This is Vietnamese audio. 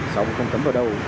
sóng không cấm vào đâu